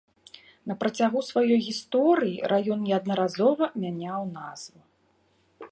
На працягу сваёй гісторыі раён неаднаразова мяняў назву.